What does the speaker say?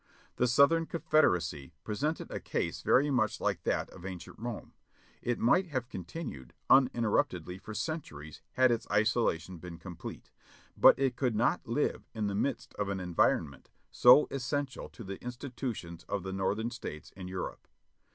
The Southern Confederacy presented a case very much like that of Ancient Rome: it might have continued uninter ruptedly for centuries had its isolation been complete, but it could not live in the midst of an environment so essential to the institutions of the Northern States and Europe.